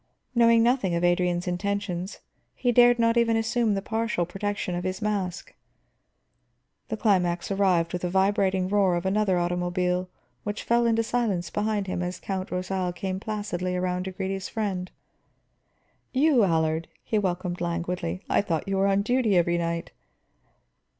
Knowing nothing of Adrian's intentions, he dared not even assume the partial protection of his mask. The climax arrived with the vibrating roar of another automobile, which fell into silence behind him as Count Rosal came placidly around to greet his friend. "You, Allard," he welcomed languidly. "I thought you were on duty every night."